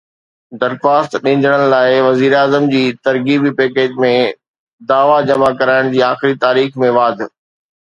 درخواست ڏيندڙن لاءِ وزيراعظم جي ترغيبي پيڪيج ۾ دعويٰ جمع ڪرائڻ جي تاريخ ۾ واڌ